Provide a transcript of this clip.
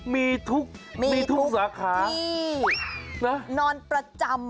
มีทุกสาขาที่นอนประจำ